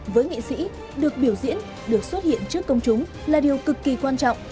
với nghệ sĩ được biểu diễn được xuất hiện trước công chúng là điều cực kỳ quan trọng